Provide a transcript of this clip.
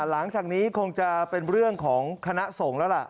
หลังจากนี้คงจะเป็นเรื่องของคณะสงฆ์แล้วล่ะ